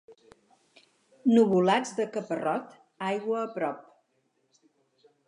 Nuvolats de caparrot, aigua a prop.